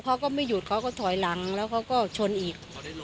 เขาก็ไม่หยุดทอยหลังแล้วตัวชนอีก